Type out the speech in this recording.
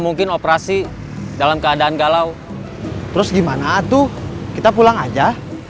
mungkin operasi dalam keadaan galau terus gimana tuh kita pulang aja